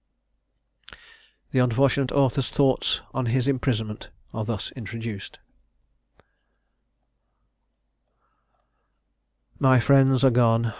The unfortunate author's Thoughts on his Imprisonment are thus introduced: "My friends are gone!